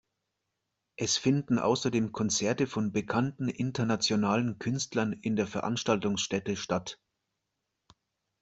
Es finden außerdem Konzerte von bekannten internationalen Künstlern in der Veranstaltungsstätte statt.